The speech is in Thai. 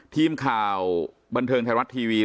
ทีมข่าวบันเทิงไทยรัฐทีวี